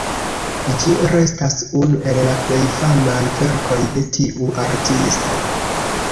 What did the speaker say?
Ĝi restas unu el la plej famaj verkoj de tiu artisto.